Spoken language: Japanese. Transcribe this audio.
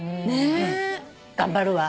頑張るわ。